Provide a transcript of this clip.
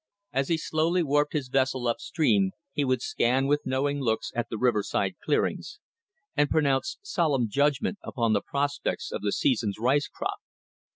As he slowly warped his vessel up stream he would scan with knowing looks the riverside clearings, and pronounce solemn judgment upon the prospects of the season's rice crop.